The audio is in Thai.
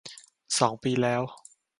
สองปีแล้ว